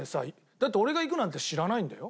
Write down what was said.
だって俺が行くなんて知らないんだよ？